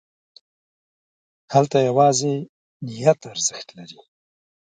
هلته یوازې نیت ارزښت لري.